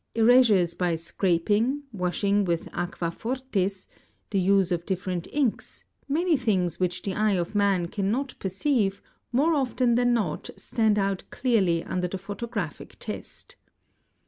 Erasures by scraping, washing with aqua fortis, the use of different inks, many things which the eye of man cannot perceive, more often than not stand out clearly under the photographic test.